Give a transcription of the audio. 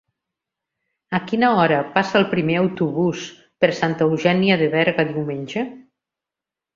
A quina hora passa el primer autobús per Santa Eugènia de Berga diumenge?